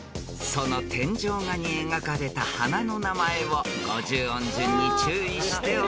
［その天井画に描かれた花の名前を５０音順に注意してお答えください］